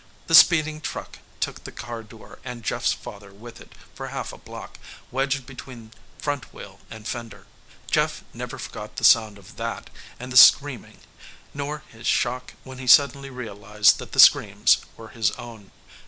The speeding truck took the car door and Jeff's father with it for half a block, wedged between front wheel and fender. Jeff never forgot the sound of that, and the screaming. Nor his shock when he suddenly realized that the screams were his own.